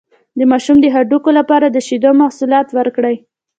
د ماشوم د هډوکو لپاره د شیدو محصولات ورکړئ